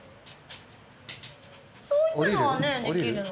そういうのはできるの？